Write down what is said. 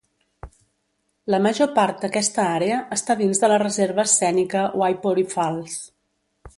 La major part d'aquesta àrea està dins de la Reserva Escènica Waipori Falls.